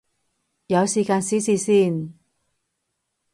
有時間試試先